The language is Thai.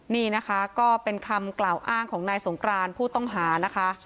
นี่นะคะก็เป็นคำกล่าวอ้างของนายสงกรานผู้ต้องหานะคะ